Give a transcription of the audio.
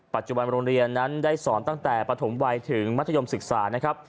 ปัจจุบันโรงเรียนนั้นได้สอนตั้งแต่ปฐมวัยถึงมัธยมศึกษานะครับ